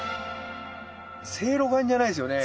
正露丸じゃないですよね？